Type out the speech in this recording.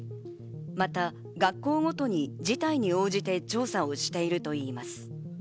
また学校ごとに事態に応じて調査をしているといいます。